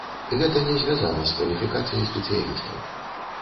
Гэта не звязана з кваліфікацыяй спецыялістаў.